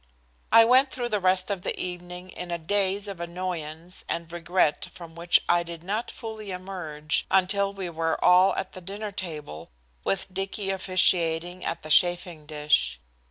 I went through the rest of the evening in a daze of annoyance and regret from which I did not fully emerge until we were all at the dinner table, with Dicky officiating at the chafing dish.